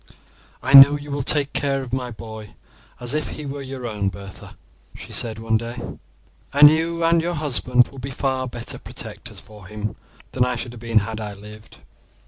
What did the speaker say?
"I know you will take care of my boy as if he were your own, Bertha," she said one day; "and you and your husband will be far better protectors for him than I should have been had I lived.